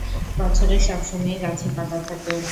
বছরের সব সময়ই গাছে পাতা থাকে।